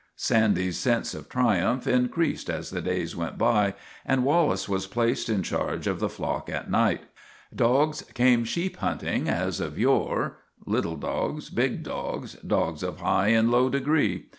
Sandy's sense of triumph increased as the days went by and Wallace was placed in charge of the THE TWA DOGS O' GLENFERGUS 37 flock at night. Dogs came sheep hunting as of yore little dogs, big dogs, dogs of high and low de gree.